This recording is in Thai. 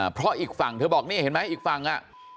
เพราะอีกฝั่งเธอบอกนี่เห็นไหมอีกฝั่งอ่ะ